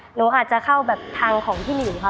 หนูอาจจะเข้าแบบทางของพี่หนิงค่ะ